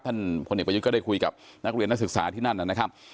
ท่านพ่อเน็ตประยุทธจันทร์ก็ได้คุยกับนักเรียนนักศึกษาที่นั่นนะครับ